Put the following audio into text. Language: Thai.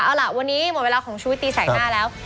เอาล่ะวันนี้หมดเวลาของชุวิตตีแสกหน้าแล้ว